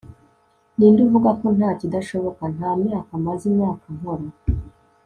ninde uvuga ko nta kidashoboka? nta myaka maze imyaka nkora